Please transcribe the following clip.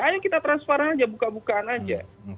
ayo kita transparan aja buka bukaan aja